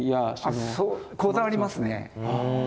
こだわりますね。